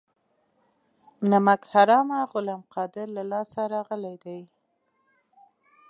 نمک حرامه غلام قادر له لاسه راغلي دي.